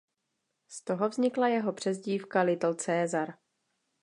Z toho vznikla jeho přezdívka Little Caesar.